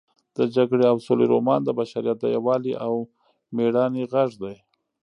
د جګړې او سولې رومان د بشریت د یووالي او مېړانې غږ دی.